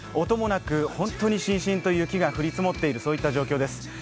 音もなく、本当にしんしんと雪が降り積もっている、そういった状況です。